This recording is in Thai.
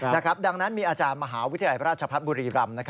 นะครับดังนั้นมีอาจารย์มหาวิทยาลัยพระราชภัฏบุรีรำน์